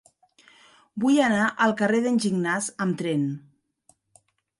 Vull anar al carrer d'en Gignàs amb tren.